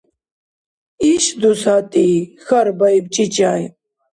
— Ишдус, гьатӀи? — хьарбаиб чӀичӀай.